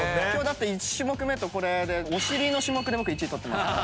１種目目とこれでお尻の種目で僕１位取ってますから。